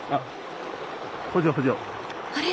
あれ？